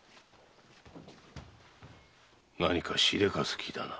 何かしでかす気だな。